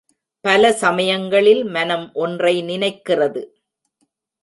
பல சமயங்களில் மனம் ஒன்றை நினைக்கிறது.